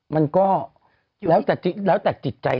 มันก็แล้วแต่จิตใจ